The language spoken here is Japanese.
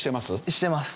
してます。